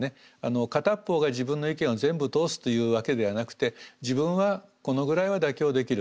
片っ方が自分の意見を全部通すというわけではなくて自分はこのぐらいは妥協できる。